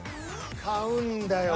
買うんだよ